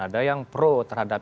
ada yang pro terhadap